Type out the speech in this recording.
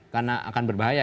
karena akan berbahaya